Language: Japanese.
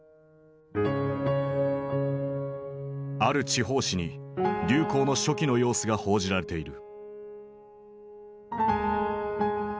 ある地方紙に流行の初期の様子が報じられている。